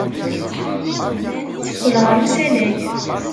Teqqel ɣer usalay.